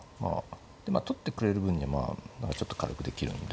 取ってくれる分にはまあ何かちょっと軽くできるんで。